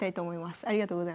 ありがとうございます。